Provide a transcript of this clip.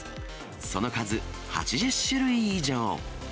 その数、８０種類以上。